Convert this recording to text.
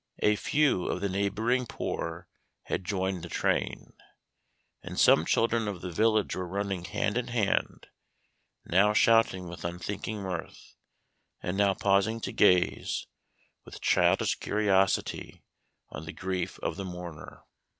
A few of the neighboring poor had joined the train, and some children of the village were running hand in hand, now shouting with unthinking mirth, and now pausing to gaze, with childish curiosity on the grief of the mourner.